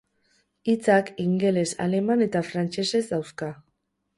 Hitzak ingeles, aleman eta frantsesez dauzka.